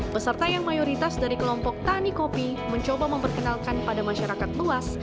peserta yang mayoritas dari kelompok tani kopi mencoba memperkenalkan pada masyarakat luas